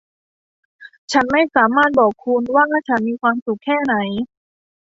ฉันไม่สามารถบอกคุณว่าฉันมีความสุขแค่ไหน